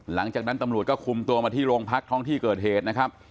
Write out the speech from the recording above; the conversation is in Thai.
หลังจากนั้นตำรวจก็คุมตัวมาที่โรงพักท้องที่เกิดเหตุนะครับ